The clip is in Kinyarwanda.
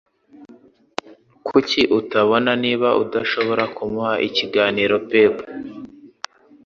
Kuki utabona niba udashobora kumuha ikiganiro pep?